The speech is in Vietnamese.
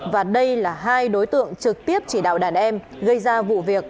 và đây là hai đối tượng trực tiếp chỉ đạo đàn em gây ra vụ việc